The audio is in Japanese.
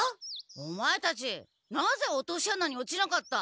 オマエたちなぜ落とし穴に落ちなかった？